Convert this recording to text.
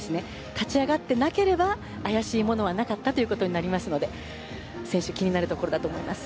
立ち上がってなければ怪しいものはなかったということになりますので選手は気になると思います。